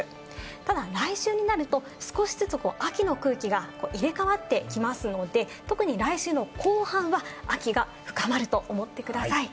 ただ、来週になると少しずつ秋の空気が入れ替わってきますので、特に来週の後半は秋が深まると思ってください。